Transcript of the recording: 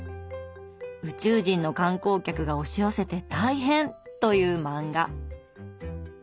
宇宙人の観光客が押し寄せて大変！という漫画。